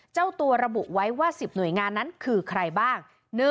เจ้าตัวระบุไว้ว่า๑๐หน่วยงานนั้นคือใครบ้าง